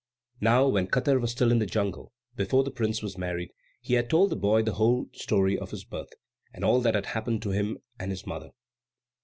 Now, when Katar was still in the jungle, before the prince was married, he had told the boy the whole story of his birth, and all that had happened to him and his mother.